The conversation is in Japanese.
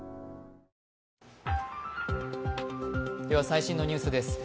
最新のニュースです。